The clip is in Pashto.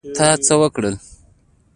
تا څه وکړل؟